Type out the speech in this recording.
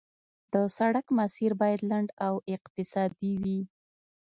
د سړک مسیر باید لنډ او اقتصادي وي